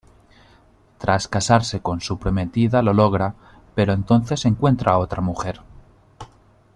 Tras casarse con su prometida lo logra, pero entonces encuentra a otra mujer.